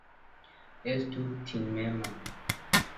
Estu timema.